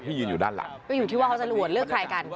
ยืนอยู่ด้านหลังก็อยู่ที่ว่าเขาจะโหวตเลือกใครกัน